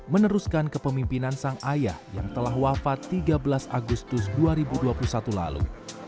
meneruskan kepemimpinan sang ayah yang telah wafat tiga belas agustus dua ribu dua puluh satu lalu